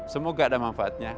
semoga ada manfaatnya